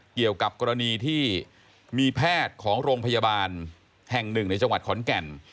เกี่ยวกับกรณีที่มีแพทย์ของโรงพยาบาลแห่งหนึ่งในจังหวัดขอนแก่น